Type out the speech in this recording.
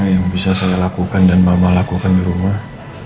yang bisa saya lakukan dan mama lakukan di rumah